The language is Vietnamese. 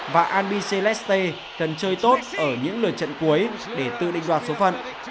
và albi celeste cần chơi tốt ở những lượt trận cuối để tự định đoạt số phận